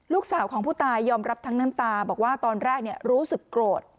ลูกสาวของผู้ตายยอมรับทั้งน้ำตาบอกว่าตอนแรกรู้สึกโกรธ